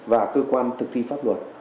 và cơ quan thực thi pháp luật